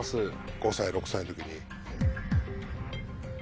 ５歳６歳の時に。